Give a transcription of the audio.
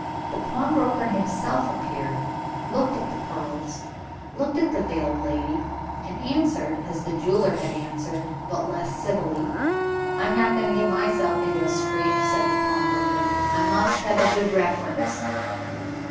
The pawnbroker himself appeared looked at the pearls looked at the veiled lady and answered as the jeweler had answered, but less civilly. "I'm not going to get myself into a scrape," said the pawnbroker; "I must have a good reference."